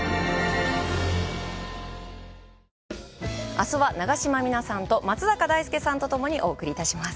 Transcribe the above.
あすは長島三奈さんと松坂大輔さんとともにお送りします。